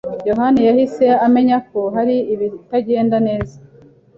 Yohani yahise amenya ko hari ibitagenda neza.